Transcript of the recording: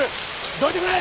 どいてくれ！